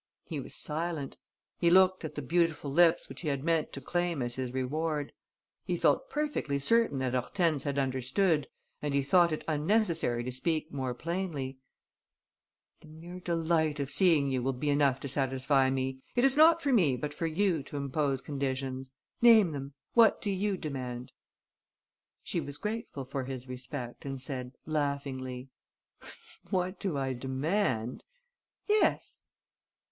He was silent. He looked at the beautiful lips which he had meant to claim as his reward. He felt perfectly certain that Hortense had understood and he thought it unnecessary to speak more plainly: "The mere delight of seeing you will be enough to satisfy me. It is not for me but for you to impose conditions. Name them: what do you demand?" She was grateful for his respect and said, laughingly: "What do I demand?" "Yes."